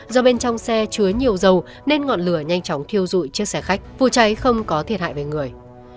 do bên trong xe chứa nhiều dầu nên ngọn lửa nhanh chóng thiêu dụi chiếc xe khách vụ cháy không có thiệt hại về người